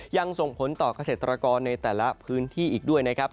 ยังส่งผลต่อเกษตรกรในแต่ละพื้นที่อีกด้วยนะครับ